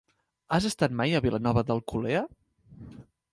Has estat mai a Vilanova d'Alcolea?